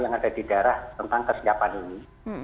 yang ada di daerah tentang kesiapan ini